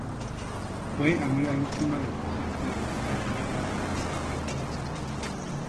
Fue amiga íntima del presidente de los Estados Unidos, John F. Kennedy.